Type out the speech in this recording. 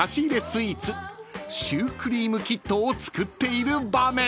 スイーツシュークリームキットを作っている場面］